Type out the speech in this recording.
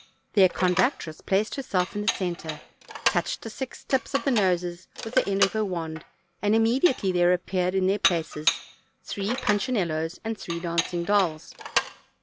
Their conductress placed herself in the center, touched the six tips of the noses with the end of her wand, and imme diately there appeared in their places three punchinellos and three dancing dolls.